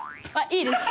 いいです。